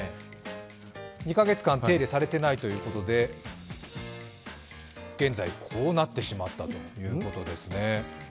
２カ月間手入れされていないということで、現在、こうなってしまったということですね。